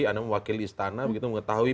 anam wakil istana begitu mengetahui